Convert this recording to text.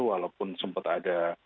walaupun sempat ada